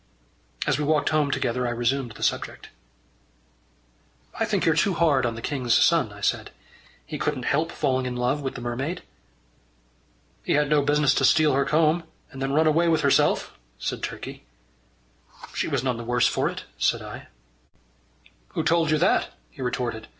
As we walked home together I resumed the subject. "I think you're too hard on the king's son," I said. "He couldn't help falling in love with the mermaid." "He had no business to steal her comb, and then run away with herself," said Turkey. "She was none the worse for it," said I. "Who told you that?" he retorted.